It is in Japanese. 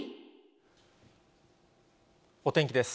お天気です。